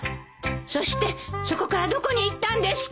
そしてそこからどこに行ったんですか？